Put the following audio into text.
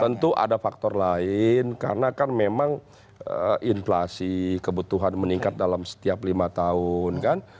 tentu ada faktor lain karena kan memang inflasi kebutuhan meningkat dalam setiap lima tahun kan